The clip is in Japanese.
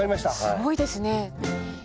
すごいですね。